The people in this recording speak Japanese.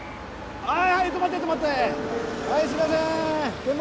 はい。